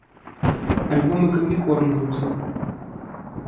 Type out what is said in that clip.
Альбо мы камбікорм грузім.